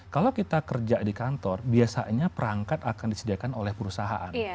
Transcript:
kalau kita kerja di kantor biasanya perangkat akan disediakan oleh perusahaan